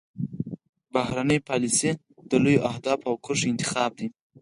بهرنۍ پالیسي د لویو اهدافو او کرښو انتخاب دی